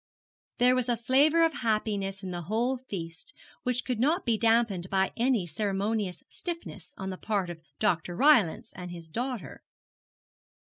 There was a flavour of happiness in the whole feast which could not be damped by any ceremonious stiffness on the part of Dr. Rylance and his daughter.